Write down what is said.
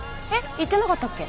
言ってなかったっけ？